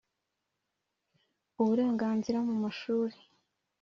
uburenganzira mu mashuri,